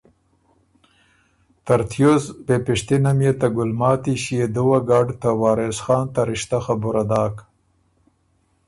ترتیوس بې پِشتِنه ميې ته ګلماتی ݭيې دُوّه ګډ ته وارث خان ته رِشتۀ خبُره داک۔